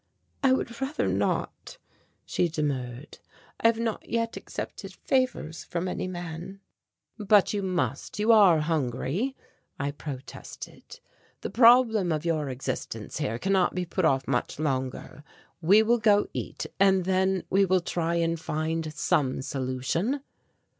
"I would rather not," she demurred. "I have not yet accepted favours from any man." "But you must. You are hungry," I protested. "The problem of your existence here cannot be put off much longer. We will go eat and then we will try and find some solution."